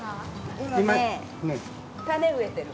今ね種植えてる。